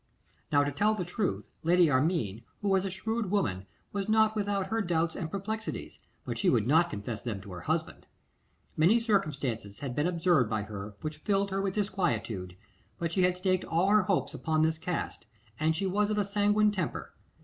Now, to tell the truth, Lady Armine, who was a shrewd woman, was not without her doubts and perplexities, but she would not confess them to her husband. Many circumstances had been observed by her which filled her with disquietude, but she had staked all her hopes upon this cast, and she was of a sanguine temper.